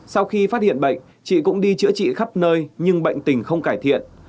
sau khi phát hiện bệnh chị cũng đi chữa trị khắp nơi nhưng bệnh tình không cải thiện